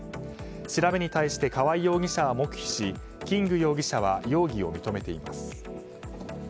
調べに対して川合容疑者は黙秘しキング容疑者は容疑を認めています。